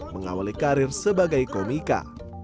mengawali karir sebagai komika